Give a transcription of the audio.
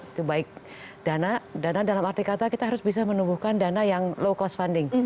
itu baik dana dana dalam arti kata kita harus bisa menumbuhkan dana yang low cost funding